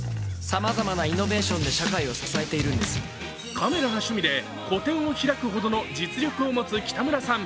カメラが趣味で個展を開くほどの実力を持つ北村さん。